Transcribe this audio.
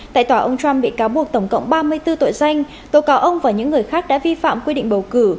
tại tòa ông trump bị cáo buộc tổng cộng ba mươi bốn tội danh tố cáo ông và những người khác đã vi phạm quy định bầu cử